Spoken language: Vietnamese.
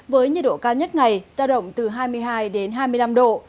với nhiệt độ cao nhất ngày giao động từ hai mươi hai đến hai mươi năm độ